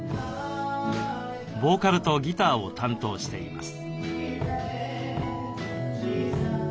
ボーカルとギターを担当しています。